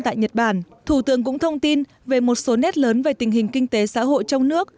tại nhật bản thủ tướng cũng thông tin về một số nét lớn về tình hình kinh tế xã hội trong nước